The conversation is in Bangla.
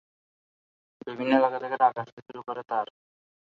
বিভিন্ন এলাকা থেকে ডাক আসতে শুরু করে তাঁর।